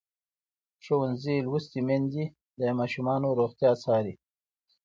ښوونځې لوستې میندې د ماشومانو روغتیا څاري.